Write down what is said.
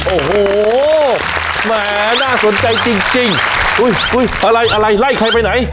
โอ้โหแหมน่าสนใจจริงอุ้ยอะไรอะไรไล่ใครไปไหน